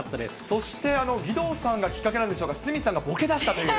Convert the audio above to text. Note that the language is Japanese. そして、義堂さんがきっかけなんでしょうか、鷲見さんがボケだしたという。